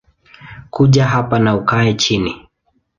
Kuja hapa na ukae chini